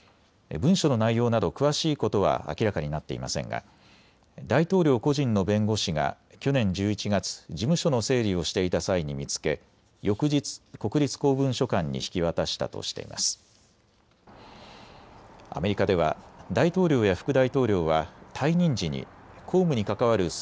文書の内容など詳しいことは明らかになっていませんが大統領個人の弁護士が去年１１月、事務所の整理をしていた際に見つけ、翌日、国立公文書館に引き渡したとしています。